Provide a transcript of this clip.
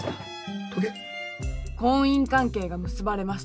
婚姻関係が結ばれました。